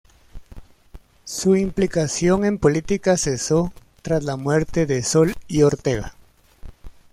Su implicación en política cesó tras la muerte de Sol y Ortega.